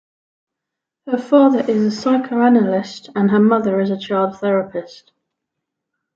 Her father is a psychoanalyst and her mother a child therapist.